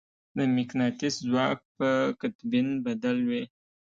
د مقناطیس ځواک په قطبین بدل وي.